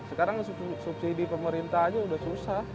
sekarang subsidi pemerintah aja udah susah